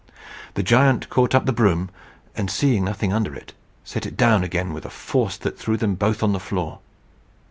The giant caught up the broom, and seeing nothing under it, set it down again with a force that threw them both on the floor.